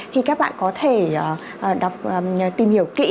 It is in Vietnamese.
thì các bạn có thể tìm hiểu kỹ